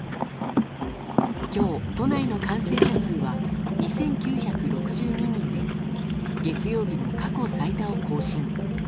今日都内の感染者数は２９６２人で月曜日の過去最多を更新。